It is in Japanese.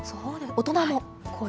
大人も？